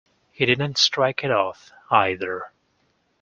He did not strike it off, either.